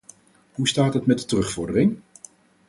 Hoe staat het met de terugvordering?